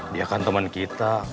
dia kan teman kita